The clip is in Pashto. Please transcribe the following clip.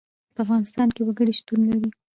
په افغانستان کې وګړي شتون لري.